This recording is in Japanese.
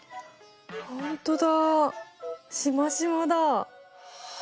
ほんとだしましまだ。